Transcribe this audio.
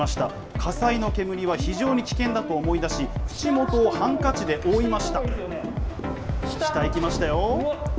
火災の煙は非常に危険だと思い出し口元をハンカチで覆いました。